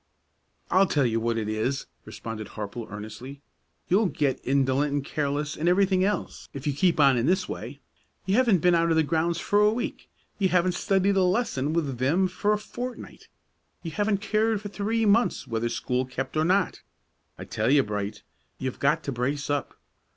"I'll tell you what it is," responded Harple, earnestly, "you'll get indolent and careless and everything else if you keep on in this way. You haven't been out of the grounds for a week; you haven't studied a lesson with vim for a fortnight; you haven't cared for three months whether school kept or not. I tell you, Bright, you've got to brace up.